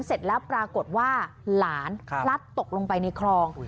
เสร็จแล้วปรากฏว่าหลานพลัดตกลงไปในคลอง